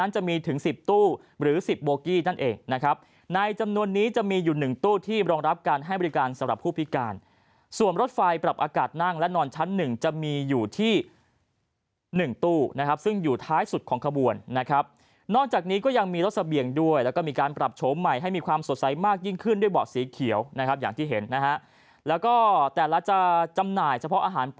จะมีอยู่หนึ่งตู้ที่รองรับการให้บริการสำหรับผู้พิการส่วนรถไฟปรับอากาศนั่งและนอนชั้นหนึ่งจะมีอยู่ที่หนึ่งตู้นะครับซึ่งอยู่ท้ายสุดของขบวนนะครับนอกจากนี้ก็ยังมีรถสะเบียงด้วยแล้วก็มีการปรับชมใหม่ให้มีความสดใสมากยิ่งขึ้นด้วยเบาะสีเขียวนะครับอย่างที่เห็นนะฮะแล้วก็แต่ละจะจำหน่ายเ